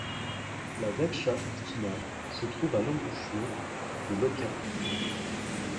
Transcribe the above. La datcha Outkina se trouve à l'embouchure de l’Okkervil.